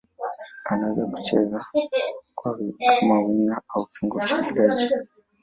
Anaweza kucheza kama winga au kiungo mshambuliaji.